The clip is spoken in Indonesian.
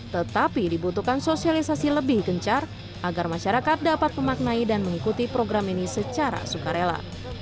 tetapi dibutuhkan sosialisasi lebih gencar agar masyarakat dapat memaknai dan mengikuti program ini secara sukarela